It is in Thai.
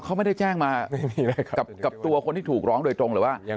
เขาไม่ได้แจ้งมากับตัวคนที่ถูกร้องโดยตรงหรือว่ายัง